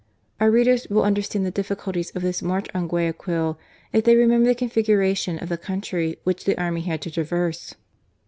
Our readers will understand the diffi THE TAKING OF GUAYAQUIL. 95 culties of this march on Guayaquil if they remember the configuration of the country which the army had to traverse.